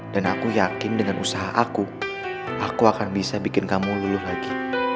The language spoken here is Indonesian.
dan aku yakin dengan usaha aku aku akan bisa bikin kamu luluh lagi